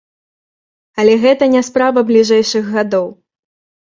Але гэта не справа бліжэйшых гадоў.